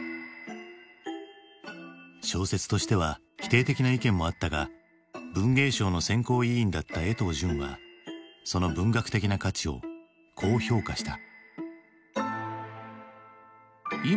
小説としては否定的な意見もあったが文藝賞の選考委員だった江藤淳はその文学的な価値をこう評価した。